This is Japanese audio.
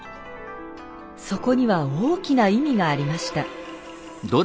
そこには大きな意味がありました。